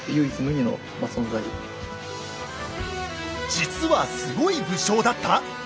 実はすごい武将だった？